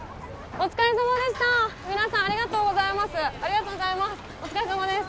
お疲れさまです。